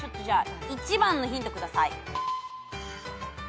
じゃあ１番のヒント下さい。